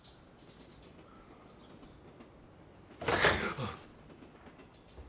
あっ。